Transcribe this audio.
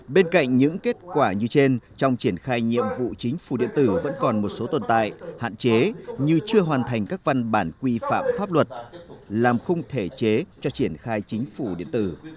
bên cạnh những kết quả như trên trong triển khai nhiệm vụ chính phủ điện tử vẫn còn một số tồn tại hạn chế như chưa hoàn thành các văn bản quy phạm pháp luật làm khung thể chế cho triển khai chính phủ điện tử